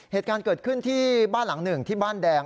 เหตุการณ์เกิดขึ้นที่บ้านหลังหนึ่งที่บ้านแดง